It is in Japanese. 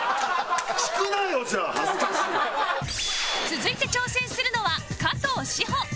続いて挑戦するのは加藤史帆